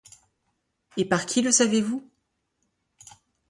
Et par qui le savez-vous ?